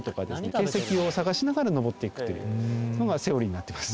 形跡を探しながら登っていくというのがセオリーになってます